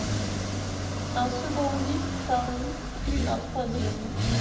Un second litre parut, puis un troisième.